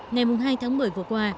ngày hai tháng một mươi vừa qua